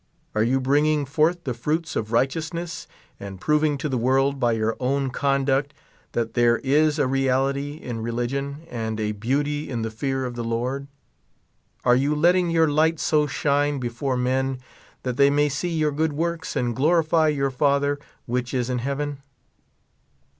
Are you bringing forth the fruits of righteousness, and proving to the world by your own conduct that there is a reality in religion, and a beauty in the fear of the Lord ? Are you letting your light so shine before men that the}' ma}^ see your good works and^iglorify your Father which is in heaven